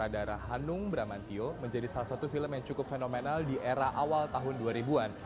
darah hanung bramantio menjadi salah satu film yang cukup fenomenal di era awal tahun dua ribu an